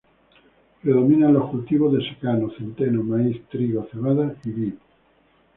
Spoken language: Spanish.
Predominan los cultivos de secano: centeno, maíz, trigo, cebada y vid.